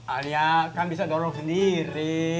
alia kan bisa dorong sendiri